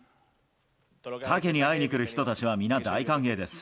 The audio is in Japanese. タケに会いに来る人たちは皆、大歓迎です。